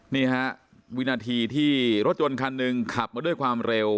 นี่ฮะวินาทีที่รถยนต์คันหนึ่งขับมาด้วยความเร็ว